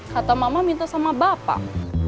kata mama minta sama bapak